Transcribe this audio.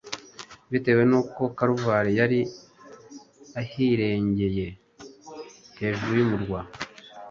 Bitewe n'uko Kaluvari yari ahirengcye hejuru y'umurwa,